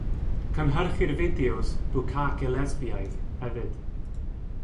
Cynhyrchir fideos “bukkake lesbiaidd” hefyd.